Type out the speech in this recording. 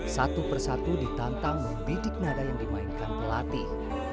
satu persatu ditantang membidik nada yang dimainkan pelatih